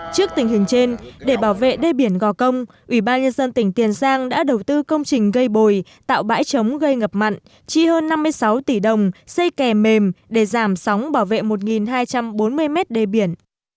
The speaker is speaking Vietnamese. trước tình hình trên để bảo vệ đê biển gò công ủy ban nhân dân tỉnh tiền giang đã đầu tư công trình gây bồi tạo bãi chống gây ngập mặn chi hơn năm mươi sáu tỷ đồng xây kè mềm để giảm sóng bảo vệ một hai trăm bốn mươi mét đê biển